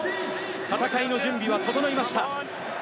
戦いの準備は整いました。